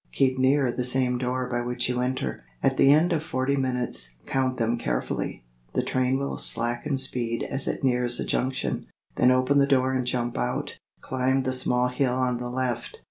Keep near the same door by which you enter. At the end of forty minutes (count them carefully), the train will slacken speed as it nears a junction; then open the door and jump out. Climb the small hill on the left.